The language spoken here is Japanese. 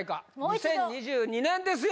２０２２年ですよ